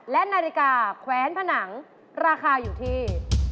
และนาฬิกาแขวนผนังราคาอยู่ที่